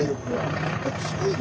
すごいね。